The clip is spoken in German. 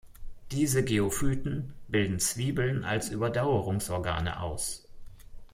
Diese Geophyten bilden Zwiebeln als Überdauerungsorgane aus.